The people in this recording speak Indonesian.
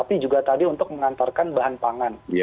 tapi juga tadi untuk mengantarkan bahan pangan